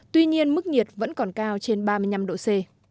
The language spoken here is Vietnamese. tuy nhiên mức nhiệt vẫn còn cao trên ba mươi năm độ c